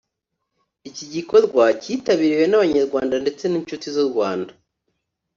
Iki gikorwa cyitabiriwe n’Abanyarwanda ndetse n’inshuti z’u Rwanda